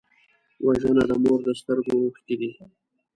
وژنه د مور د سترګو اوښکې دي